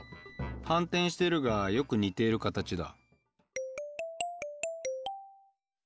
反転してるがよく似ている形だ。